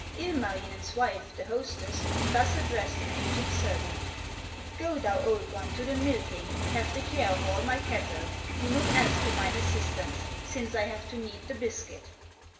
Ilmarinen's wife, the hostess, Thus addressed an aged servant: "Go, thou old one, to the milking, Have the care of all my cattle, Do not ask for mine assistance, Since I have to knead the biscuit."